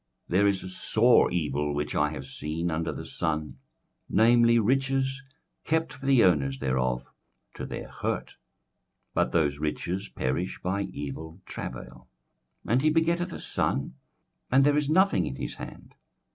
21:005:013 There is a sore evil which I have seen under the sun, namely, riches kept for the owners thereof to their hurt. 21:005:014 But those riches perish by evil travail: and he begetteth a son, and there is nothing in his hand.